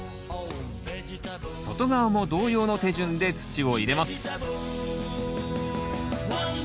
外側も同様の手順で土を入れます